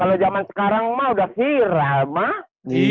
kalau zaman sekarang mah udah viral mah